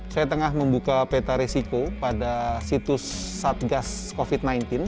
saya tengah membuka peta resiko pada situs satgas covid sembilan belas